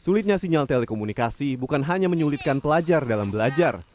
sulitnya sinyal telekomunikasi bukan hanya menyulitkan pelajar dalam belajar